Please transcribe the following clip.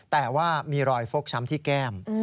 แต่ว่ามีรอยฟกช้ำที่แก้ม